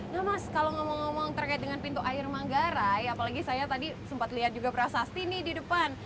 nah mas kalau ngomong ngomong terkait dengan pintu air manggarai apalagi saya tadi sempat lihat juga prasasti nih di depan